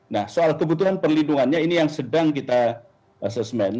nah soal kebutuhan perlindungannya ini yang sedang kita asesmen